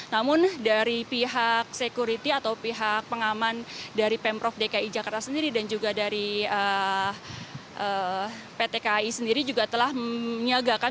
namun dari pihak security atau pihak pengaman dari pemprov dki jakarta sendiri dan juga dari pt kai sendiri juga telah menyiagakan